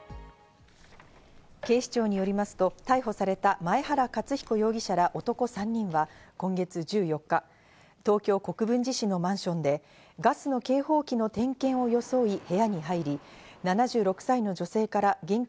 警視庁によりますと、逮捕された前原克彦容疑者ら男３人は今月１４日、東京・国分寺市のマンションでガスの警報器の点検を装い部屋に入り、７６歳の女性から現金